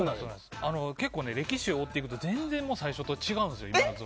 結構歴史を追っていくと全然最初とは違うんです